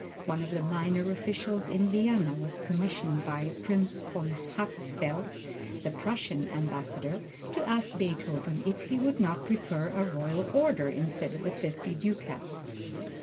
One of the minor officials in Vienna was commissioned by Prince von Hatzfeld, the Prussian Ambassador, to ask Beethoven if he would not prefer a royal order instead of the fifty ducats.